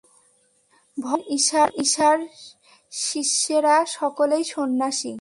ভগবান ঈশার শিষ্যেরা সকলেই সন্ন্যাসী।